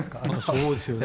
そうですよね。